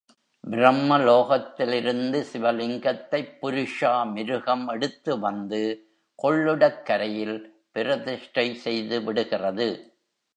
பிரம்ம லோகத்திலிருந்து சிவலிங்கத்தைப் புருஷா மிருகம் எடுத்து வந்து கொள்ளிடக் கரையில் பிரதிஷ்டை செய்து விடுகிறது.